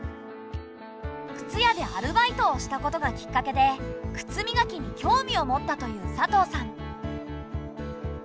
靴屋でアルバイトをしたことがきっかけで靴磨きに興味を持ったという佐藤さん。